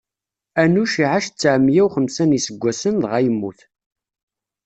Anuc iɛac tteɛmeyya u xemsa n iseggasen, dɣa yemmut.